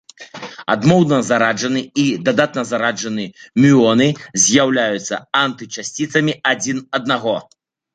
Адмоўна зараджаны і дадатна зараджаны мюоны з'яўляюцца антычасціцамі адзін аднаго.